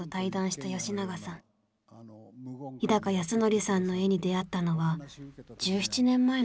日高安典さんの絵に出会ったのは１７年前のことでした。